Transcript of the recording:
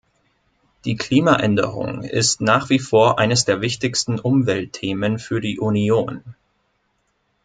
Die Klimaänderung ist nach wie vor eines der wichtigsten Umweltthemen für die Union.